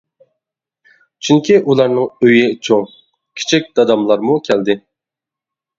چۈنكى ئۇلارنىڭ ئۆيى چوڭ، كىچىك داداملارمۇ كەلدى.